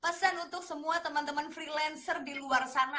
pesan untuk semua temen temen freelancer diluar sana